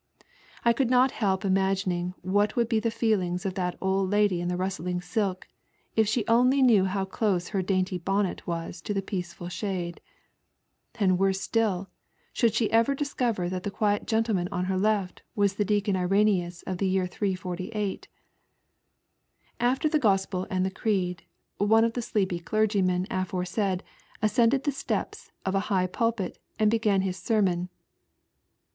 I could not help imagining what would be the feelings of that old lady in the rustling silk if she only knew how close her dainty bonnet was to the peaceful shade; and worse still, should she ever discover that the quiet gentleman on her left was the Deacon Irenaeus of the year 848. After the Gospel and the Creed, one of the sleepy clergymen aforesaid ascended the steps of a high pulpit and began his sermon.